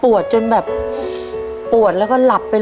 พ่อจะต้องเจ็บกว่าลูกหลายเท่านั้น